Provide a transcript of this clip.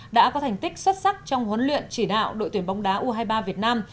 đã có thành tích xuất sắc trong huấn luyện chỉ đạo đội tuyển bóng đá u hai mươi ba việt nam